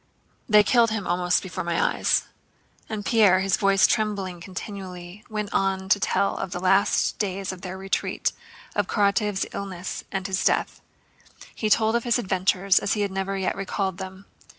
"They killed him almost before my eyes." And Pierre, his voice trembling continually, went on to tell of the last days of their retreat, of Karatáev's illness and his death. He told of his adventures as he had never yet recalled them.